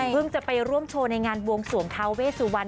เพิ่งจะไปร่วมโชว์ในงานวงสวงท้าเวสวัน